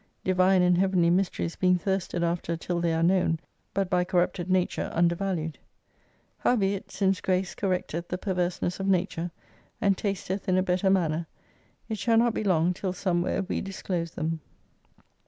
Divine and heavenly mysteries being thirsted after till they are known, but by cor rupted nature undervalued. Howbeit since grace correcteth the perverseness of nature, and tasteth in a better manner, it shall not be long, till somewhere we disclose them.